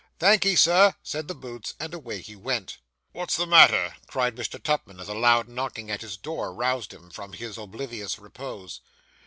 'Thank'ee, sir,' said the Boots, and away he went. 'What's the matter?' cried Mr. Tupman, as a loud knocking at his door roused him from his oblivious repose.